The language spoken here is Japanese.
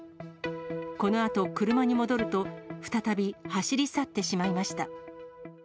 このあと車に戻ると、再び走り去ってしまいました。